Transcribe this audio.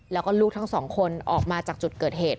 แล้วก็ลูกทั้งสองคนออกมาจากจุดเกิดเหตุ